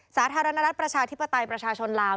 สาธารณรัฐประชาธิปไตยประชาชนลาว